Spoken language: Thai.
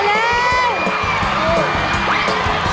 เร็ว